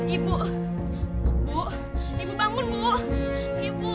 ibu ibu bangun bu ibu